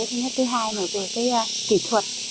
thứ nhất thứ hai là về kỹ thuật